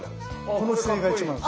この姿勢が一番です。